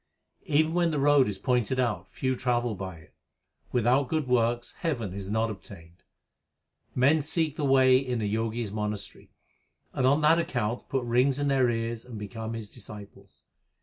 Even when the road is pointed out, few travel by it. Without good works heaven is not obtained. Men seek the way in a Jogi s monastery ; And on that account put rings in their ears and become his disciples.